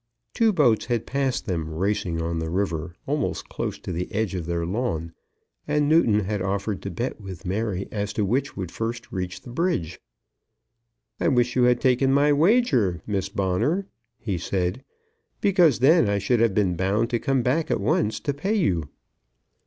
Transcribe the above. Two boats had passed them, racing on the river, almost close to the edge of their lawn, and Newton had offered to bet with Mary as to which would first reach the bridge. "I wish you had taken my wager, Miss Bonner," he said, "because then I should have been bound to come back at once to pay you."